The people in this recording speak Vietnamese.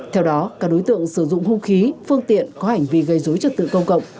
theo đó các đối tượng sử dụng hung khí phương tiện có hành vi gây dối trật tự công cộng